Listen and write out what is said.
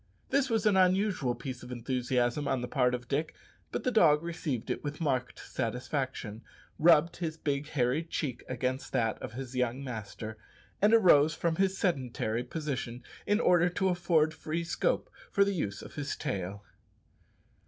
This was an unusual piece of enthusiasm on the part of Dick; but the dog received it with marked satisfaction, rubbed his big hairy cheek against that of his young master, and arose from his sedentary position in order to afford free scope for the use of his tail.